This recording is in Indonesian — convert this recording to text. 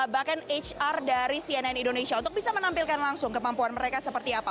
bahkan hr dari cnn indonesia untuk bisa menampilkan langsung kemampuan mereka seperti apa